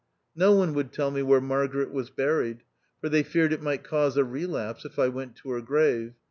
No One would tell me where Margaret was buried, for they feared it might cause a relapse if I went to her grave.